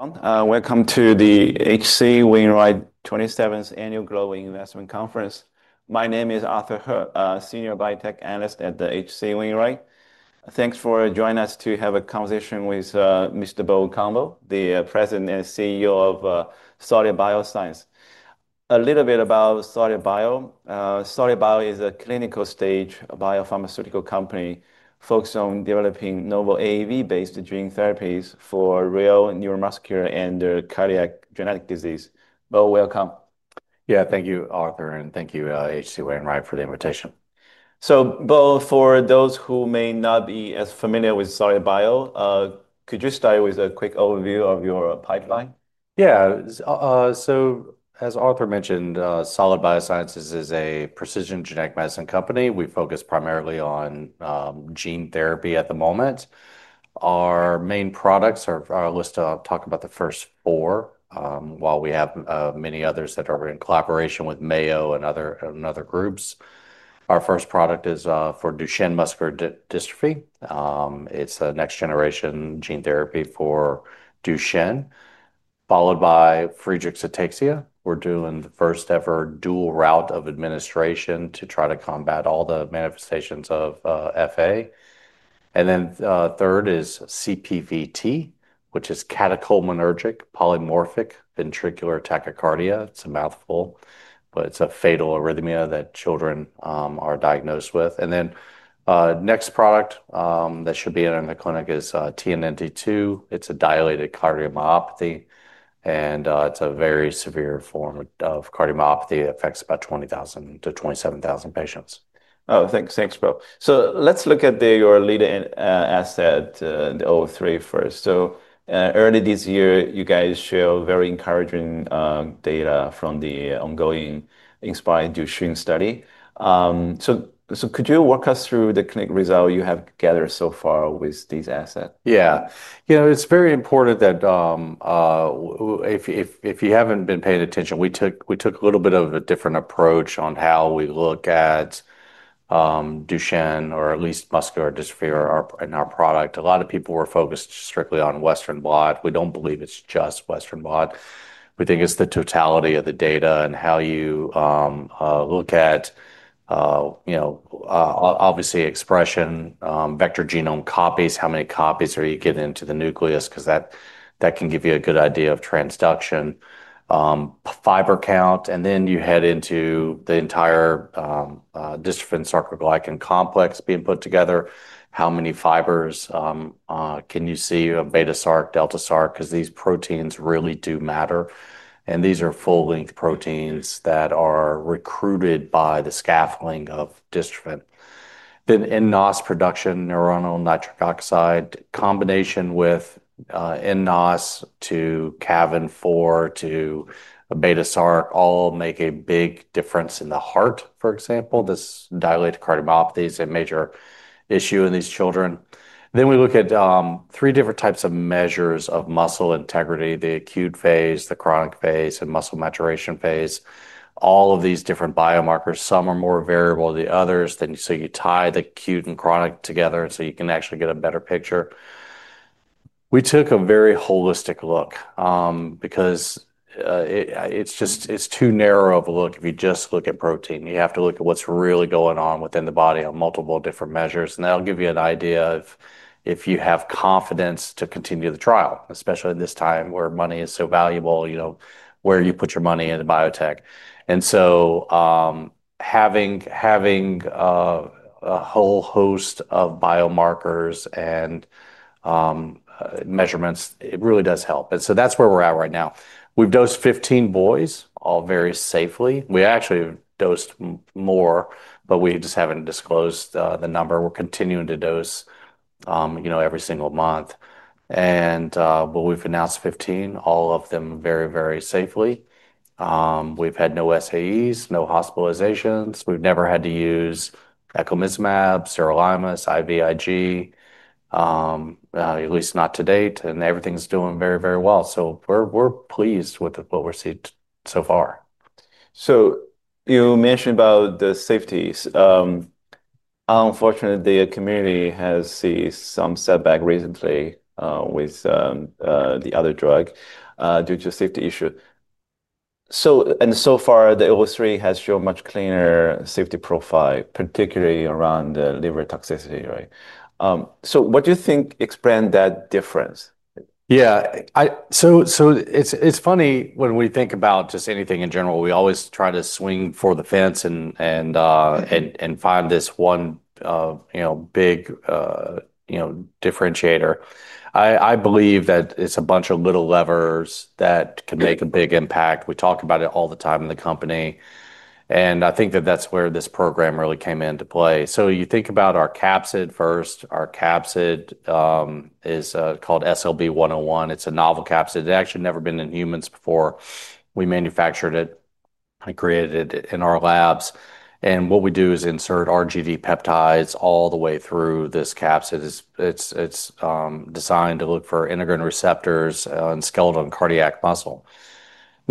Welcome to the H.C. Wainwright 27th Annual Global Investment Conference. My name is Arthur He, a Senior Biotech Analyst at H.C. Wainwright. Thanks for joining us to have a conversation with Mr. Bo Cumbo, the President and CEO of Solid Biosciences. A little bit about Solid Biosciences. Solid Biosciences is a clinical-stage biopharmaceutical company focused on developing novel AAV-based gene therapies for rare neuromuscular and cardiac genetic disease. Bo, welcome. Yeah, thank you, Arthur, and thank you, H.C. Wainwright, for the invitation. Bo, for those who may not be as familiar with Solid Biosciences, could you start with a quick overview of your pipeline? Yeah, so as Arthur mentioned, Solid Biosciences is a precision genetic medicine company. We focus primarily on gene therapy at the moment. Our main products are, I'll just talk about the first four, while we have many others that are in collaboration with Mayo and other groups. Our first product is for Duchenne muscular dystrophy. It's a next-generation gene therapy for Duchenne, followed by Friedreich’s ataxia. We're doing the first-ever dual route of administration to try to combat all the manifestations of FA. The third is CPVT, which is catecholaminergic polymorphic ventricular tachycardia. It's a mouthful, but it's a fatal arrhythmia that children are diagnosed with. The next product that should be in the clinic is TNNT2. It's a dilated cardiomyopathy, and it's a very severe form of cardiomyopathy. It affects about 20,000 to 27,000 patients. Thanks, Bo. Let's look at your leading asset, the SGT-003, first. Early this year, you guys showed very encouraging data from the ongoing INSPIRE Duchenne study. Could you walk us through the clinical results you have gathered so far with these assets? Yeah, you know, it's very important that if you haven't been paying attention, we took a little bit of a different approach on how we look at Duchenne, or at least muscular dystrophy, in our product. A lot of people were focused strictly on Western blot. We don't believe it's just Western blot. We think it's the totality of the data and how you look at, you know, obviously expression, vector genome copies. How many copies are you getting into the nucleus? Because that can give you a good idea of transduction. Fiber count, and then you head into the entire dystrophin sarcoglycan complex being put together. How many fibers can you see? A beta sark, delta sark, because these proteins really do matter. These are full-length proteins that are recruited by the scaffolding of dystrophin. Then NNOS production, neuronal nitric oxide, combination with NNOS to CAVIN4 to beta sark, all make a big difference in the heart. For example, this dilated cardiomyopathy is a major issue in these children. We look at three different types of measures of muscle integrity: the acute phase, the chronic phase, and muscle maturation phase. All of these different biomarkers, some are more variable than others. You tie the acute and chronic together, so you can actually get a better picture. We took a very holistic look because it's just too narrow of a look if you just look at protein. You have to look at what's really going on within the body on multiple different measures, and that'll give you an idea if you have confidence to continue the trial, especially at this time where money is so valuable, you know, where you put your money in biotech. Having a whole host of biomarkers and measurements, it really does help. That's where we're at right now. We've dosed 15 boys, all very safely. We actually have dosed more, but we just haven't disclosed the number. We're continuing to dose, you know, every single month. We've announced 15, all of them very, very safely. We've had no SAEs, no hospitalizations. We've never had to use ecomysimab, sirolimus, IVIG, at least not to date, and everything's doing very, very well. We're pleased with what we're seeing so far. You mentioned about the safety. Unfortunately, the community has seen some setback recently with the other drug due to safety issues. So far, the SGT-003 has shown a much cleaner safety profile, particularly around the liver toxicity, right? What do you think explains that difference? Yeah, so it's funny when we think about just anything in general. We always try to swing for the fence and find this one, you know, big differentiator. I believe that it's a bunch of little levers that can make a big impact. We talk about it all the time in the company, and I think that that's where this program really came into play. You think about our capsid first. Our capsid is called SLB-101. It's a novel capsid. It had actually never been in humans before. We manufactured it. I created it in our labs. What we do is insert RGV peptides all the way through this capsid. It's designed to look for integrin receptors in skeletal cardiac muscle.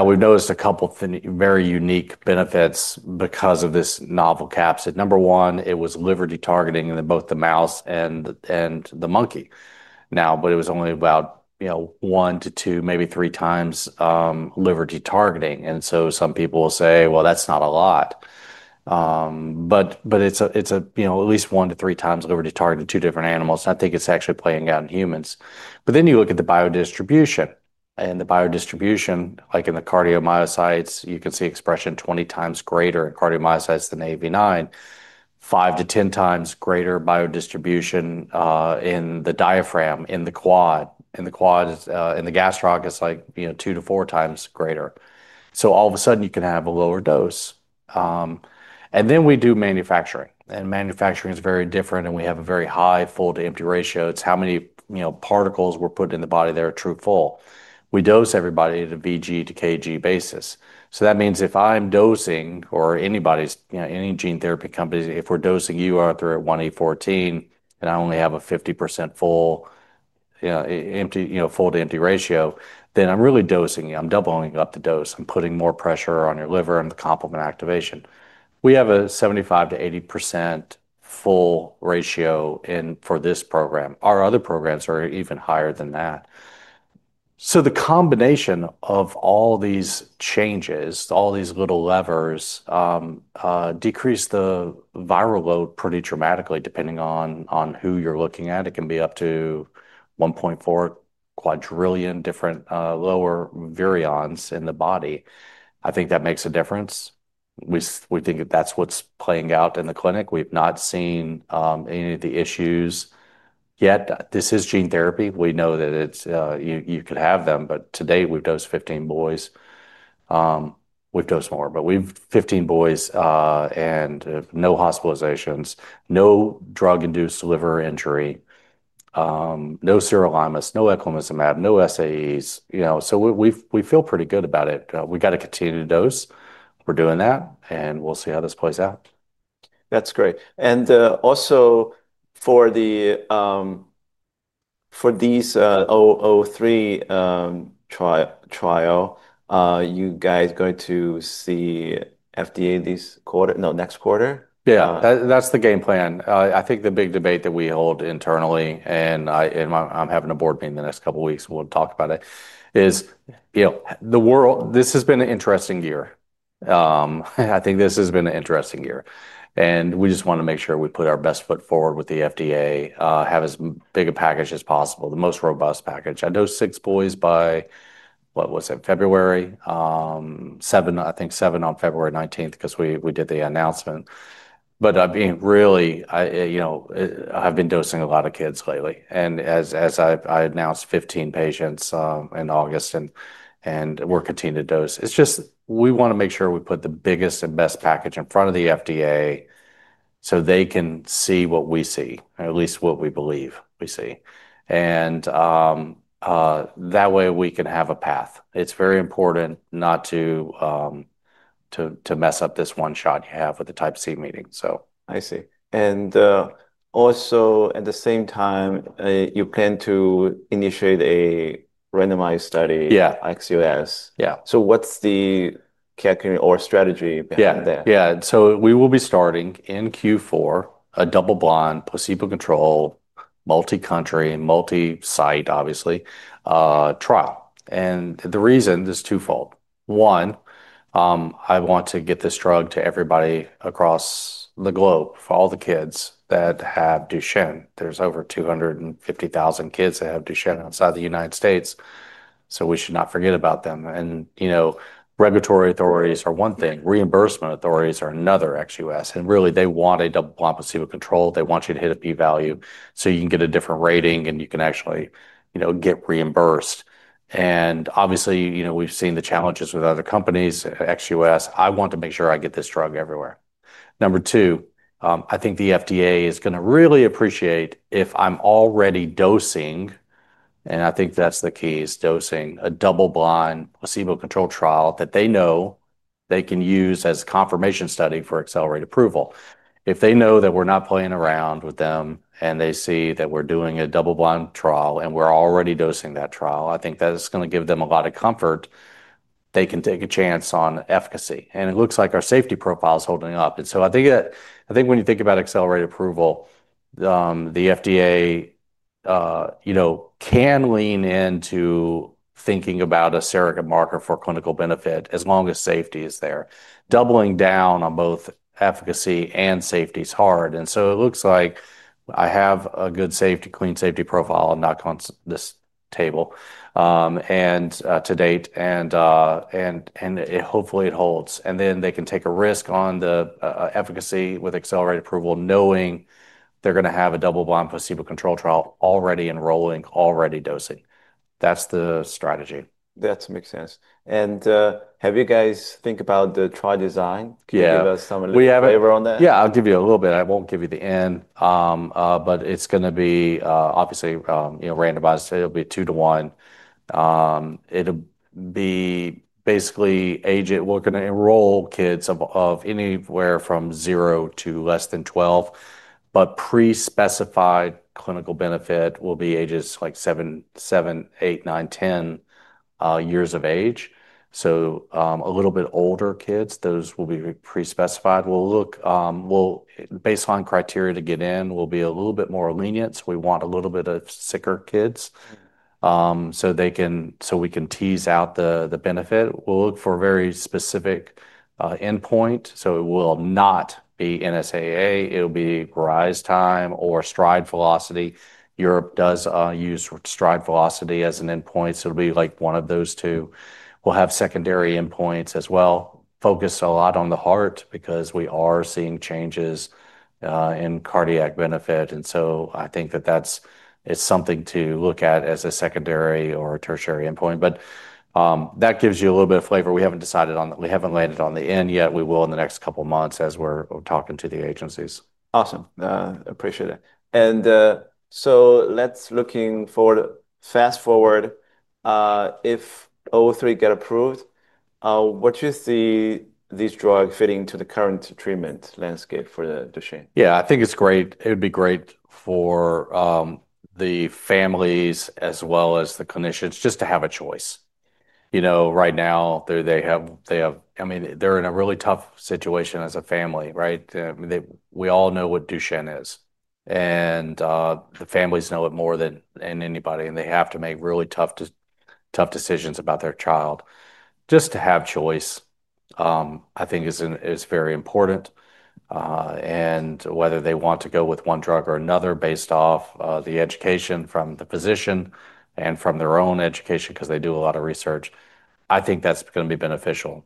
We've noticed a couple of very unique benefits because of this novel capsid. Number one, it was liver detargeting in both the mouse and the monkey. It was only about, you know, one to two, maybe three times liver detargeting. Some people will say, well, that's not a lot. It's at least one to three times liver detargeting in two different animals. I think it's actually playing out in humans. You look at the biodistribution. The biodistribution, like in the cardiomyocytes, you can see expression 20 times greater in cardiomyocytes than AAV9. Five to ten times greater biodistribution in the diaphragm, in the quad. In the quad, in the gastroc, it's like, you know, two to four times greater. All of a sudden, you can have a lower dose. We do manufacturing. Manufacturing is very different, and we have a very high full-to-empty ratio. It's how many, you know, particles we're putting in the body that are true full. We dose everybody at a VG to KG basis. That means if I'm dosing, or anybody's, you know, any gene therapy company, if we're dosing you out there at 1E14, and I only have a 50% full, you know, empty, you know, full-to-empty ratio, then I'm really dosing you. I'm doubling up the dose. I'm putting more pressure on your liver and the complement activation. We have a 75% to 80% full ratio in for this program. Our other programs are even higher than that. The combination of all these changes, all these little levers, decrease the viral load pretty dramatically, depending on who you're looking at. It can be up to 1.4 quadrillion different lower variants in the body. I think that makes a difference. We think that that's what's playing out in the clinic. We've not seen any of the issues yet. This is gene therapy. We know that you could have them, but to date, we've dosed 15 boys. We've dosed more, but we've 15 boys and no hospitalizations, no drug-induced liver injury, no sirolimus, no ecomysimab, no SAEs. We feel pretty good about it. We've got to continue to dose. We're doing that, and we'll see how this plays out. That's great. Also, for these SGT-003 trials, are you guys going to see the FDA this quarter? No, next quarter? Yeah, that's the game plan. I think the big debate that we hold internally, and I'm having a board meeting in the next couple of weeks, we'll talk about it, is, you know, the world, this has been an interesting year. I think this has been an interesting year. We just want to make sure we put our best foot forward with the FDA, have as big a package as possible, the most robust package. I dosed six boys by, what was it, February? Seven, I think seven on February 19, because we did the announcement. I've been really, you know, I've been dosing a lot of kids lately. As I've announced, 15 patients in August, and we're continuing to dose. We just want to make sure we put the biggest and best package in front of the FDA so they can see what we see, or at least what we believe we see. That way we can have a path. It's very important not to mess up this one shot you have with the type C meeting. I see. At the same time, you plan to initiate a randomized study, ex-U.S. Yeah. What is the calculator or strategy behind that? Yeah, we will be starting in Q4 a double-blind, placebo-controlled, multi-country, and multi-site trial. The reason is twofold. One, I want to get this drug to everybody across the globe, for all the kids that have Duchenne. There's over 250,000 kids that have Duchenne outside the U.S. We should not forget about them. Regulatory authorities are one thing, reimbursement authorities are another, ex-U.S., and really, they want a double-blind, placebo-controlled trial. They want you to hit a P-value so you can get a different rating and you can actually get reimbursed. Obviously, we've seen the challenges with other companies, ex-U.S. I want to make sure I get this drug everywhere. Number two, I think the FDA is going to really appreciate if I'm already dosing, and I think that's the key, is dosing a double-blind, placebo-controlled trial that they know they can use as a confirmation study for accelerated approval. If they know that we're not playing around with them and they see that we're doing a double-blind trial and we're already dosing that trial, I think that's going to give them a lot of comfort. They can take a chance on efficacy. It looks like our safety profile is holding up. I think when you think about accelerated approval, the FDA can lean into thinking about a surrogate marker for clinical benefit as long as safety is there. Doubling down on both efficacy and safety is hard. It looks like I have a good, clean safety profile to date, and hopefully it holds. Then they can take a risk on the efficacy with accelerated approval, knowing they're going to have a double-blind, placebo-controlled trial already enrolling, already dosing. That's the strategy. That makes sense. Have you guys thought about the trial design? Can you give us some of the we have over on that? Yeah, I'll give you a little bit. I won't give you the end, but it's going to be obviously, you know, randomized. It'll be two to one. It'll be basically agent. We're going to enroll kids of anywhere from zero to less than 12, but pre-specified clinical benefit will be ages like seven, seven, eight, nine, ten years of age. A little bit older kids, those will be pre-specified. We'll look, based on criteria to get in, we'll be a little bit more lenient. We want a little bit of sicker kids so we can tease out the benefit. We'll look for a very specific endpoint. It will not be NSAA. It'll be Verizon time or Stride Velocity. Europe does use Stride Velocity as an endpoint. It'll be like one of those two. We'll have secondary endpoints as well, focused a lot on the heart because we are seeing changes in cardiac benefit. I think that that's something to look at as a secondary or a tertiary endpoint. That gives you a little bit of flavor. We haven't decided on that. We haven't landed on the end yet. We will in the next couple of months as we're talking to the agencies. Awesome. Appreciate it. Let's look forward, fast forward. If SGT-003 gets approved, what is this drug fitting to the current treatment landscape for the Duchenne? I think it's great. It'd be great for the families as well as the clinicians just to have a choice. Right now they have, I mean, they're in a really tough situation as a family, right? I mean, we all know what Duchenne is. The families know it more than anybody, and they have to make really tough decisions about their child. Just to have choice, I think, is very important. Whether they want to go with one drug or another based off the education from the physician and from their own education, because they do a lot of research, I think that's going to be beneficial,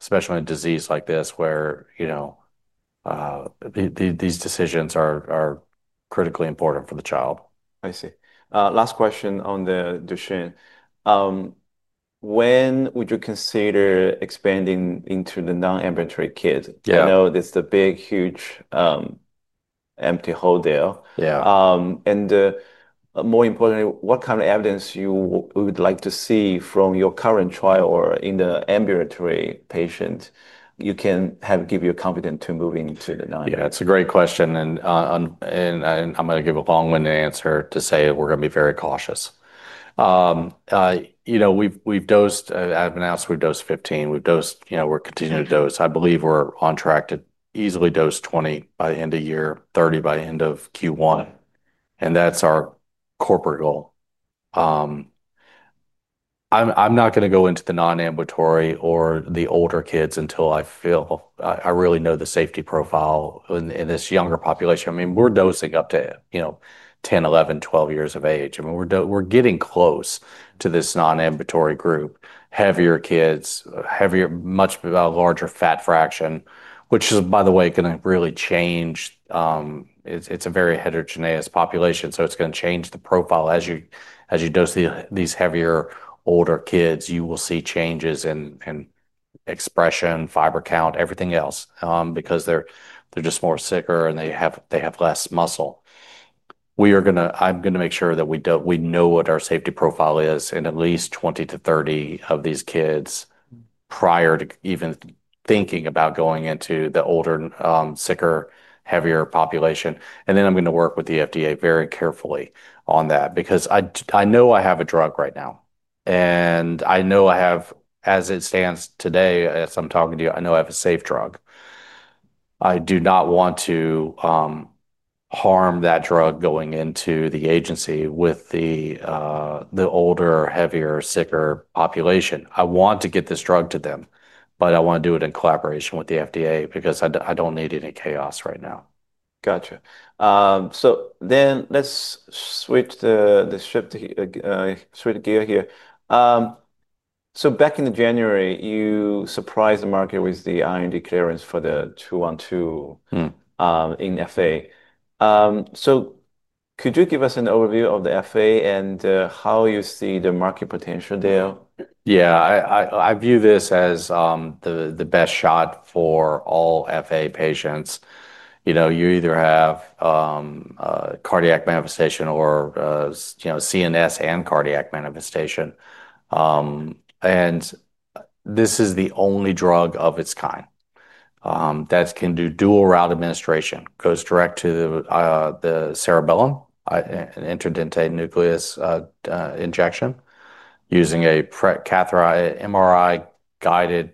especially in a disease like this where these decisions are critically important for the child. I see. Last question on the Duchenne. When would you consider expanding into the non-ambulatory kids? I know that's a big, huge empty hole there. Yeah. What kind of evidence you would like to see from your current trial or in the ambulatory patient you can have give you a confidence to move into the non-ambulatory? Yeah, it's a great question. I'm going to give a long-winded answer to say that we're going to be very cautious. We've dosed, I've announced we've dosed 15. We've dosed, we're continuing to dose. I believe we're on track to easily dose 20 by the end of the year, 30 by the end of Q1. That's our corporate goal. I'm not going to go into the non-ambulatory or the older kids until I feel I really know the safety profile in this younger population. We're dosing up to 10, 11, 12 years of age. We're getting close to this non-ambulatory group. Heavier kids, heavier, much larger fat fraction, which is, by the way, going to really change. It's a very heterogeneous population. It's going to change the profile as you dose these heavier, older kids. You will see changes in expression, fiber count, everything else, because they're just more sicker and they have less muscle. We are going to make sure that we know what our safety profile is in at least 20 to 30 of these kids prior to even thinking about going into the older, sicker, heavier population. I'm going to work with the FDA very carefully on that because I know I have a drug right now. I know I have, as it stands today, as I'm talking to you, I know I have a safe drug. I do not want to harm that drug going into the agency with the older, heavier, sicker population. I want to get this drug to them, but I want to do it in collaboration with the FDA because I don't need any chaos right now. Gotcha. Let's switch gears here. Back in January, you surprised the market with the R&D clearance for the 212 in FA. Could you give us an overview of the FA and how you see the market potential there? Yeah, I view this as the best shot for all FA patients. You know, you either have cardiac manifestation or, you know, CNS and cardiac manifestation. This is the only drug of its kind that can do dual route administration. It goes direct to the cerebellum, an interdental nucleus injection using an MRI-guided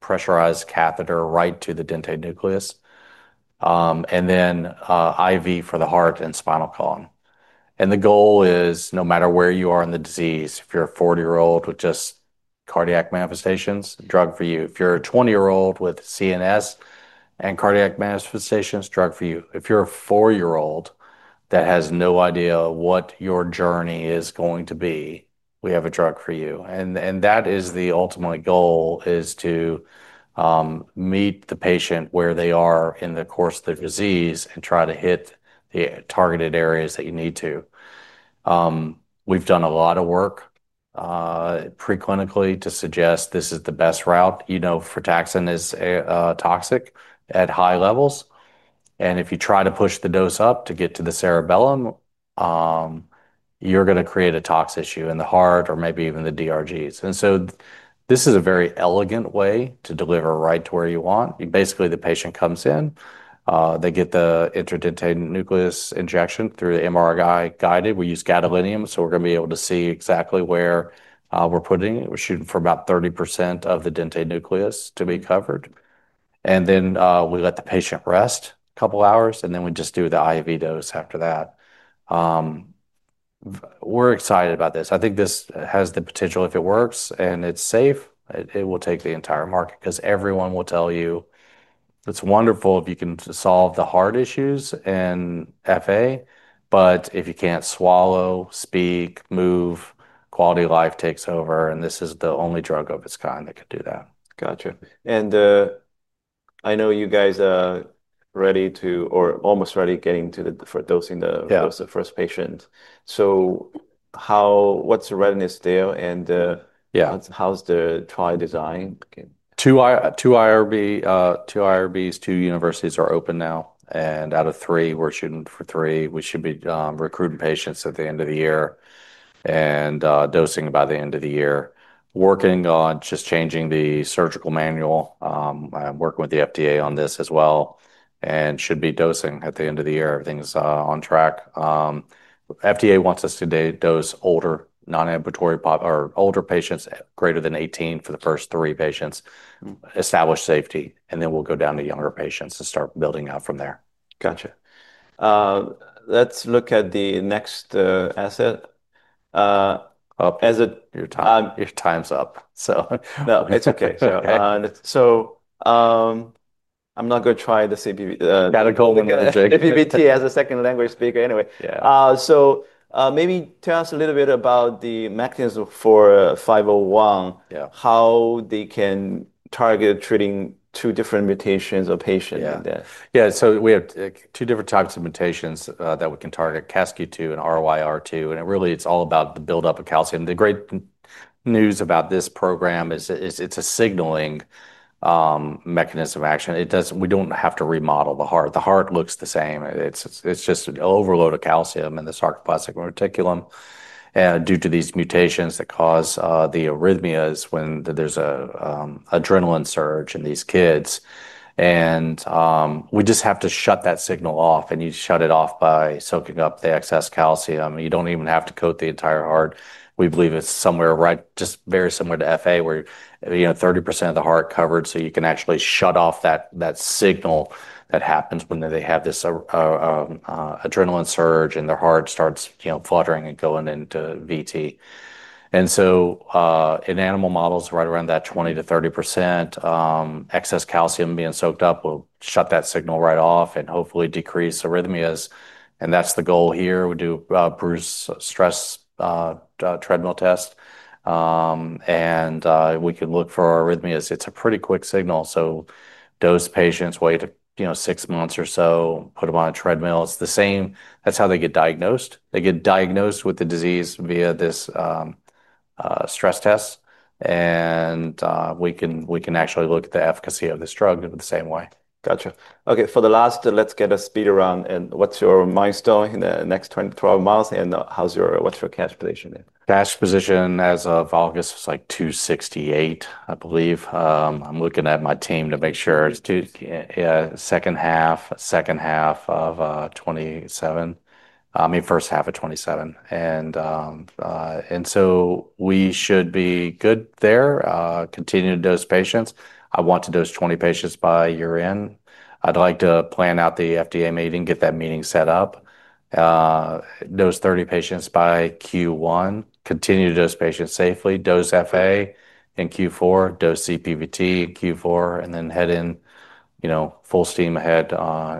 pressurized catheter right to the dentate nucleus, and then IV for the heart and spinal column. The goal is, no matter where you are in the disease, if you're a 40-year-old with just cardiac manifestations, drug for you. If you're a 20-year-old with CNS and cardiac manifestations, drug for you. If you're a four-year-old that has no idea what your journey is going to be, we have a drug for you. That is the ultimate goal, to meet the patient where they are in the course of the disease and try to hit the targeted areas that you need to. We've done a lot of work preclinically to suggest this is the best route. You know, frataxin is toxic at high levels, and if you try to push the dose up to get to the cerebellum, you're going to create a tox issue in the heart or maybe even the DRGs. This is a very elegant way to deliver right to where you want. Basically, the patient comes in, they get the interdental nucleus injection through the MRI-guided. We use gadolinium, so we're going to be able to see exactly where we're putting it. We're shooting for about 30% of the dentate nucleus to be covered. We let the patient rest a couple of hours, and then we just do the IV dose after that. We're excited about this. I think this has the potential, if it works and it's safe, it will take the entire market because everyone will tell you it's wonderful if you can solve the heart issues in FA, but if you can't swallow, speak, move, quality of life takes over. This is the only drug of its kind that can do that. Gotcha. I know you guys are ready to, or almost ready, getting to dosing the first patient. What's the readiness there? How's the trial design? Two IRBs, two universities are open now. Out of three, we're shooting for three. We should be recruiting patients at the end of the year and dosing by the end of the year. Working on just changing the surgical manual. I'm working with the FDA on this as well. We should be dosing at the end of the year. Everything's on track. The FDA wants us to dose older non-ambulatory or older patients greater than 18 for the first three patients to establish safety. Then we'll go down to younger patients and start building out from there. Gotcha. Let's look at the next asset. Your time's up. It's okay. I'm not going to try the CPVT as a second language speaker anyway. Maybe tell us a little bit about the mechanism for 501, how they can target treating two different mutations of patients like that. Yeah, so we have two different types of mutations that we can target, CASK2 and RYR2. It's all about the buildup of calcium. The great news about this program is it's a signaling mechanism of action. We don't have to remodel the heart. The heart looks the same. It's just an overload of calcium in the sarcoplastic reticulum due to these mutations that cause the arrhythmias when there's an adrenaline surge in these kids. We just have to shut that signal off. You shut it off by soaking up the excess calcium. You don't even have to coat the entire heart. We believe it's somewhere right, just very similar to FA, where you know 30% of the heart is covered. You can actually shut off that signal that happens when they have this adrenaline surge and their heart starts fluttering and going into VT. In animal models, right around that 20% to 30% excess calcium being soaked up will shut that signal right off and hopefully decrease arrhythmias. That's the goal here. We do Bruce stress treadmill test and we can look for arrhythmias. It's a pretty quick signal. Those patients wait six months or so, put them on a treadmill. It's the same. That's how they get diagnosed. They get diagnosed with the disease via this stress test. We can actually look at the efficacy of this drug the same way. Gotcha. Okay, for the last, let's get a speed round. What's your milestone in the next 12 months? What's your cash position? Cash position as of August is like $268 million, I believe. I'm looking at my team to make sure it's two, yeah, second half, second half of 2027. I mean, first half of 2027. We should be good there. Continue to dose patients. I want to dose 20 patients by year end. I'd like to plan out the FDA meeting, get that meeting set up. Dose 30 patients by Q1. Continue to dose patients safely. Dose FA in Q4. Dose CPVT in Q4. Then head in, you know, full steam ahead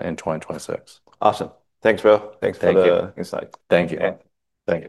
in 2026. Awesome. Thanks, Bo. Thanks for the insight. Thank you. Thank you.